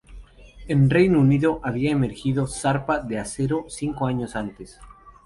En Reino Unido había emergido Zarpa de Acero cinco años antes.